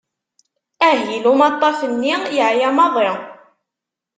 Ahil umaṭṭaf-nni yeɛya maḍi.